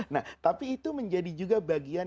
nah tapi itu menjadi juga bagian